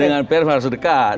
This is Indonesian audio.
dengan pr maksud dekat